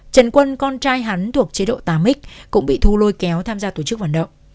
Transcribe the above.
trần quân con trai hắn thuộc chế độ tám x cũng bị thu lôi kéo tham gia tổ chức hoạt động